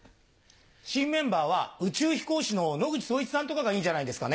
新メンバーは宇宙飛行士の野口聡一さんとかがいいんじゃないですかね？